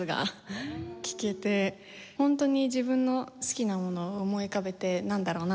ホントに自分の好きなものを思い浮かべてなんだろう